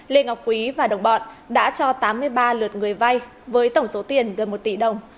lê ngọc quý và đồng bọn đã cho tám mươi ba lượt người vay với tổng số tiền gần một tỷ đồng